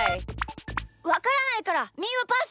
わからないからみーはパス！